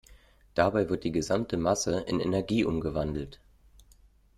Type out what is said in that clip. Dabei wird die gesamte Masse in Energie umgewandelt.